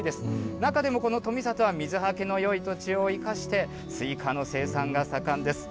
中でもこの富里は水はけのよい土地を生かして、スイカの生産が盛んです。